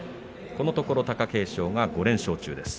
このところ貴景勝が５連勝中です。